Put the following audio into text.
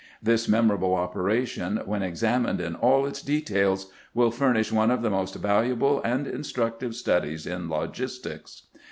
This mem orable operation, when examined in aU its details, will furnish one of the most valuable and instructive studies in logistics.